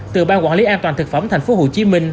từ ban quản lý an toàn thực phẩm thành phố hồ chí minh